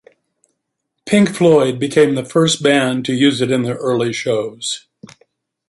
Pink Floyd became the first band to use it in their early shows.